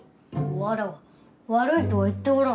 わらわ悪いとは言っておらぬ。